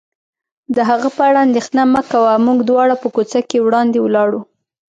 د هغه په اړه اندېښنه مه کوه، موږ دواړه په کوڅه کې وړاندې ولاړو.